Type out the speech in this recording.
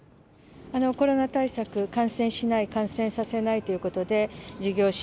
コロナ対策、感染しない、感染させないということで、事業者、